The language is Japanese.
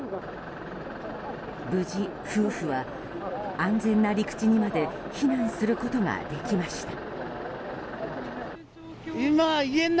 無事、夫婦は安全な陸地にまで避難することができました。